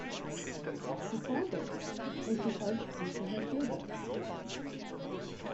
Her father was the Archdeacon of Durban.